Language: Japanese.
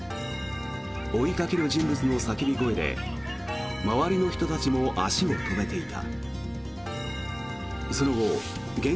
追いかける人物の叫び声で周りの人も足を止めていた。